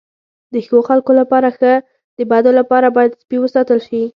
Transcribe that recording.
د ښو خلکو لپاره ښه، د بدو لپاره باید سپي وساتل شي.